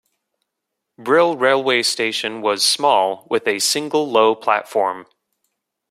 Brill railway station was small, with a single low platform.